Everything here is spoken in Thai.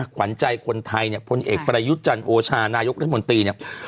ขวัญใจคนไทยเนี่ยพลเอกประยุทธ์จันทร์โอชานายกรัฐมนตรีเนี่ย